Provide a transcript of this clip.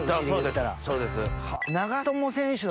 そうです。